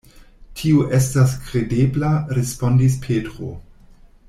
Tio estas kredebla, respondis Petro.